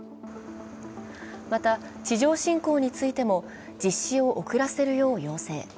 また、地上侵攻についても実施を遅らせるよう要請。